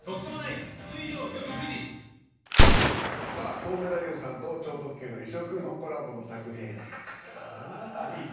コウメ太夫さんと超特急の異色のコラボの作品。